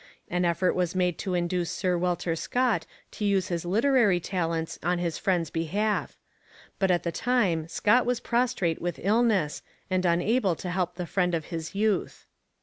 An effort was made to induce Sir Walter Scott to use his literary talents on his friend's behalf. But at the time Scott was prostrate with illness and unable to help the friend of his youth.